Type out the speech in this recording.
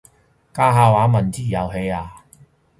家下玩文字遊戲呀？